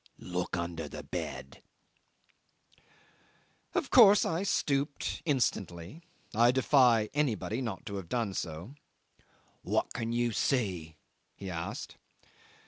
Look under the bed." 'Of course I stooped instantly. I defy anybody not to have done so. "What can you see?" he asked.